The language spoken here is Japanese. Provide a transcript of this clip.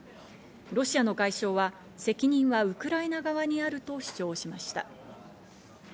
ロシアの外相は責任はウクライナ側にあると主張しました。